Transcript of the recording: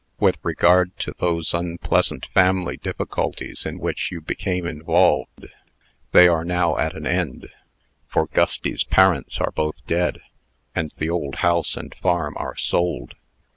With regard to those unpleasant family difficulties in which you became involved, they are now at an end; for Gusty's parents are both dead, and the old house and farm are sold.